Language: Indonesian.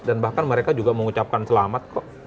dan bahkan mereka juga mengucapkan selamat kok